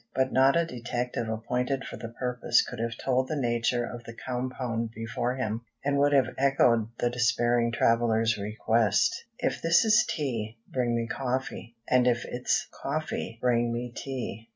But not a detective appointed for the purpose could have told the nature of the compound before him, and would have echoed the despairing traveler's request: "If this is tea, bring me coffee; and if it's coffee, bring me tea."